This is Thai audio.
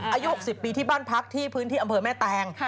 อายุ๖๐ปีที่บ้านพักที่พื้นที่อำเภอแม่แตง